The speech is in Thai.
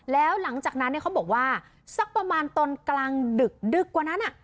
แล้วหลังจากนั้นเขาบอกว่าสักประมาณตอนกลางดึกดึกกว่านั้น